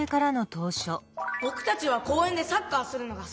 ぼくたちは公園でサッカーするのが好きです！